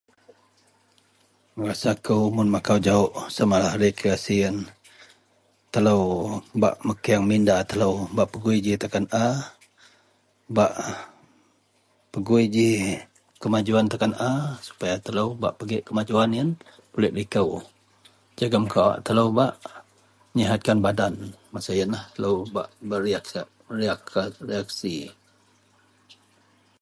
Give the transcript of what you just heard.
Rasa kou mun makau jau samalah reakresi yian telo bak meking minda telo ji bak pegui ji takan a. Kemajuan takan a supaya telo bak pigek kemajuan takan a pulik liko jegam telo ba menyihat badan masa yian telo bak bereaksi.